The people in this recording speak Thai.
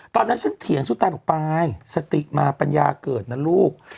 ตอนนั้นฉันเถียงผู้ตายบอกไปสติมาปัญญาเกิดนะลูก